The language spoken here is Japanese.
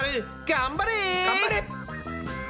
頑張れ！